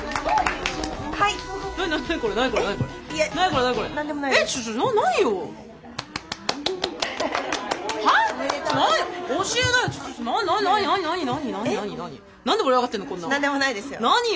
何でもないですよ。